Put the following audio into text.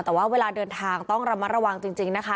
แต่ว่าเวลาเดินทางต้องระมัดระวังจริงนะคะ